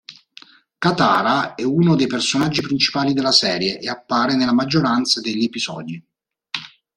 Katara è uno dei personaggi principali delle serie, e appare nella maggioranza degli episodi.